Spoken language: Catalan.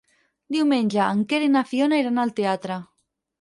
Diumenge en Quer i na Fiona iran al teatre.